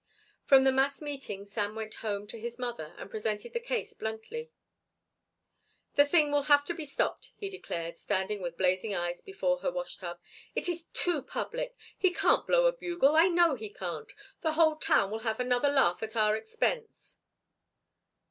From the mass meeting Sam went home to his mother and presented the case bluntly. "The thing will have to be stopped," he declared, standing with blazing eyes before her washtub. "It is too public. He can't blow a bugle; I know he can't. The whole town will have another laugh at our expense."